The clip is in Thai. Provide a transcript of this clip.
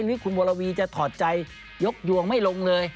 นี่คุณวรวีจะถอดใจยกยวงไม่ลงเลย